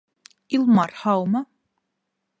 Илмар, һаумы!